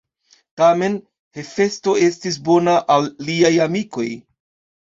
Tamen Hefesto estis bona al liaj amikoj.